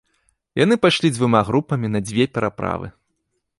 Яны пайшлі дзвюма групамі на дзве пераправы.